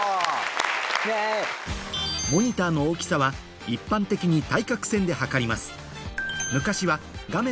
モニターの大きさは一般的に対角線で測ります